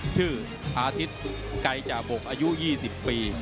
ชื่ออาทิตย์ไกรจาบกอายุ๒๐ปี